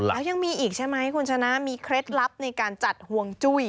แล้วยังมีอีกใช่ไหมคุณชนะมีเคล็ดลับในการจัดห่วงจุ้ย